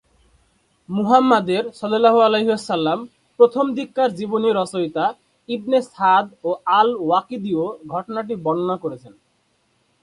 মুহাম্মদের প্রথম দিককার জীবনী রচয়িতা ইবনে সাদ ও আল-ওয়াকিদীও ঘটনাটি বর্ণনা করেছেন।